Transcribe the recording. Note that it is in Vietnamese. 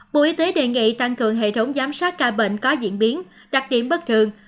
bộ y tế đề nghị tăng cường hệ thống giám sát ca bệnh có diễn biến đặc điểm bất thường